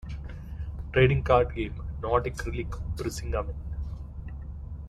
Trading Card Game, "Nordic Relic Brisingamen".